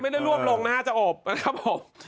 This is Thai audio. ไม่ได้รวบลงนะฮะจะอบนะครับผม